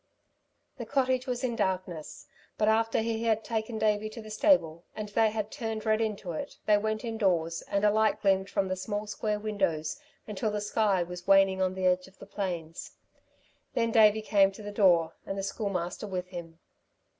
The cottage was in darkness. But after he had taken Davey to the stable and they had turned Red into it, they went indoors, and a light gleamed from the small square windows until the sky was waning on the edge of the plains. Then Davey came to the door and the Schoolmaster with him.